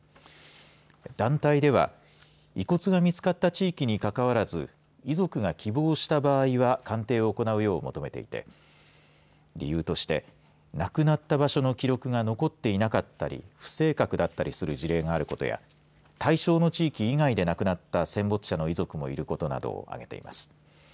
団体では遺骨が見つかった地域にかかわらず遺族が希望した場合は鑑定を行うよう求めていて理由として亡くなった場所の記録が残っていなかったり不正確だったりする事例があることや対象の地域以外で亡くなった戦没者の遺族もいることなどをあげています。